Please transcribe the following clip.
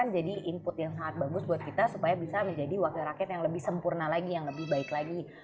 jadi input yang sangat bagus buat kita supaya bisa menjadi wakil rakyat yang lebih sempurna lagi yang lebih baik lagi